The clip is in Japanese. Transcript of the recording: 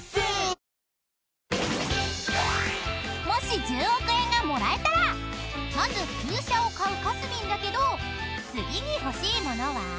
［もし１０億円がもらえたらまず旧車を買うかすみんだけど次に欲しいものは？］